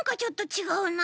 ちがうか。